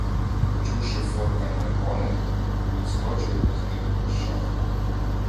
Почувши форкання коней, відскочив і зник у кущах.